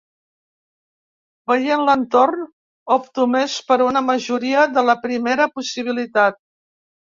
Veient l’entorn, opto més per una majoria de la primera possibilitat.